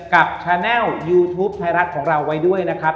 กับชาแนลยูทูปไทยรัฐของเราไว้ด้วยนะครับ